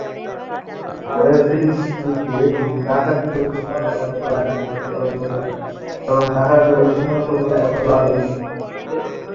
Web সিরিজটিতে তিনি ডাকাতি পরিকল্পনা বাস্তবায়নের জন্য একটি দল গঠন করেন এবং ডাকাত দলের অন্যতম সদস্য বার্লিনের ভাই।